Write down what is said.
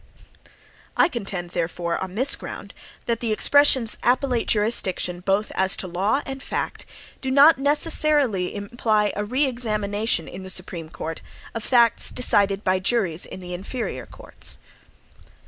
I contend, therefore, on this ground, that the expressions, "appellate jurisdiction, both as to law and fact," do not necessarily imply a re examination in the Supreme Court of facts decided by juries in the inferior courts.